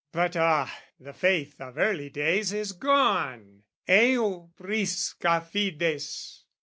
But ah, the faith of early days is gone, Heu prisca fides!